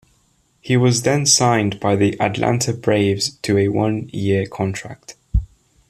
He was then signed by the Atlanta Braves to a one-year contract.